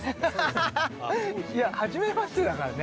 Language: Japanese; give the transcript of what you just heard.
いや、はじめましてだからね。